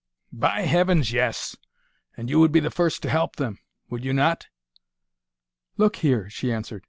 "By Heavens, yes; and you would be the first to help them; would you not?" "Look here," she answered.